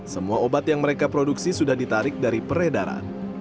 semua obat yang mereka produksi sudah ditarik dari peredaran